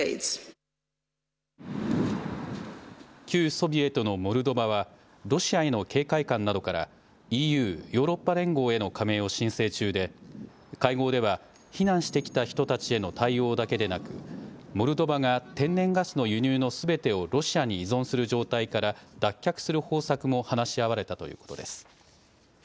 旧ソビエトのモルドバはロシアへの警戒感などからＥＵ・ヨーロッパ連合への加盟を申請中で、会合では避難してきた人たちへの対応だけでなくモルドバが天然ガスの輸入のすべてをロシアに依存する状態から脱却する方策も話し合われたということです。